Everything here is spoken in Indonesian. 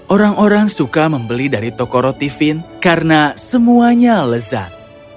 orang orang suka membeli dari toko rotin karena semuanya lezat